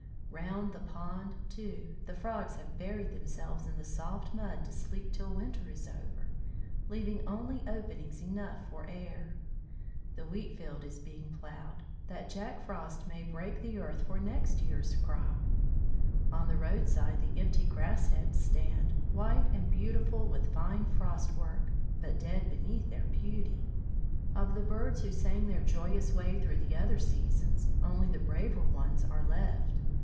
Round the pond, too, the frogs have buried themselves in the soft mud to sleep till winter is over, leaving only openings enough for air. "The wheatfield is being ploughed, that Jack Frost may break the earth for next year's crop. On the roadside the empty grass heads stand, white and beautiful with fine frost work, but dead beneath their beauty. "Of the birds who sang their joyous way through the other seasons only the braver ones are left.